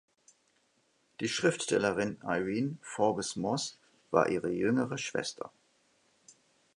Die Schriftstellerin Irene Forbes-Mosse war ihre jüngere Schwester.